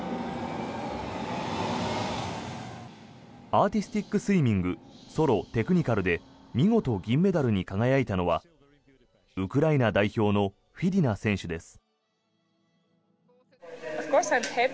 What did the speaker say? アーティスティックスイミングソロ・テクニカルで見事、銀メダルに輝いたのはウクライナ代表のフィディナ選手です。